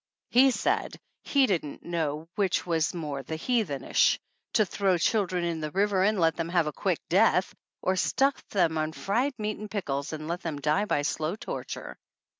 He said he didn't know which was the more heathen ish, to throw children in the river and let them have a quick death or stuff them on fried meat and pickles and let them die by slow torture.